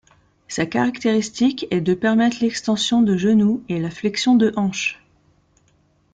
Sa caractéristique est de permettre l'extension de genou et la flexion de hanche.